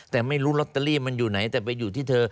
แต่ไม่รู้ลอตเตอรี่มันอยู่ไหนแต่ไปอยู่ที่เธอ